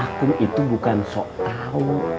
akum itu bukan sok tau